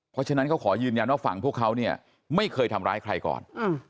เพราะฉะนั้นเขาขอยืนยันว่าฝั่งพวกเขาเนี่ยไม่เคยทำร้ายใครก่อน